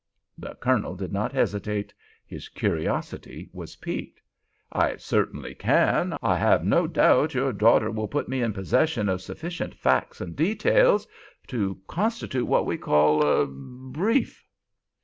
The Colonel did not hesitate; his curiosity was piqued. "I certainly can. I have no doubt your daughter will put me in possession of sufficient facts and details—to constitute what we call—er—a brief."